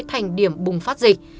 thành điểm bùng phát dịch